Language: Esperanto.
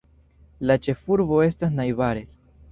La ĉefurbo estas najbare.